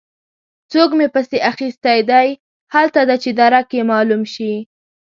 څرک مې پسې اخيستی دی؛ هيله ده چې درک يې مالوم شي.